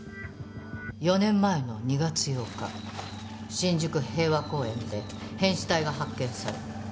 ４年前の２月８日新宿平和公園で変死体が発見され帳場が立ちました。